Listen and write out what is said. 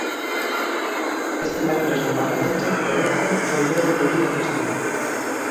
Este mércores no Parlamento Lorenzo volveu eludir a cuestión.